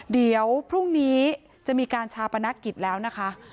เดี๋ยวพรุ่งนี้จะมีการชาปนกิจแล้วนะคะ